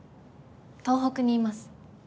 東北にいます。